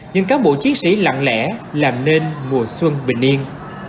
nhưng các bộ chiến sĩ lặng lẽ làm nên mùa xuân bình yên